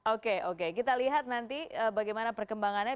oke oke kita lihat nanti bagaimana perkembangannya